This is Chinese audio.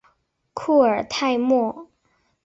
库尔泰莫。